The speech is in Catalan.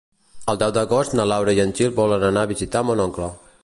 El deu d'agost na Laura i en Gil volen anar a visitar mon oncle.